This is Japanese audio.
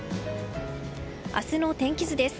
明日の天気図です。